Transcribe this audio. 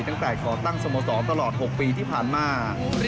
ตั้งแต่ขอตั้งสโมสรตลอดหกปีที่ผ่านมา